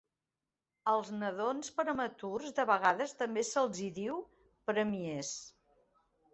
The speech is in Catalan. Als nadons prematurs de vegades també se'ls hi diu "preemies".